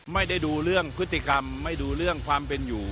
ไม่ได้ดูเรื่องพฤติกรรมไม่ดูเรื่องความเป็นอยู่